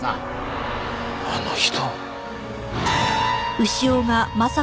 あの人？